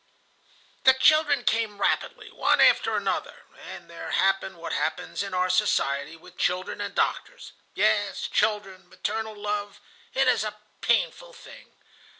"The children came rapidly, one after another, and there happened what happens in our society with children and doctors. Yes, children, maternal love, it is a painful thing.